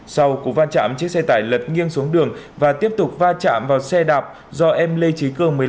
sau cụ va chạm chiếc xe tải lật nghiêng xuống đường và tiếp tục va chạm vào xe đạp do em lê trí cương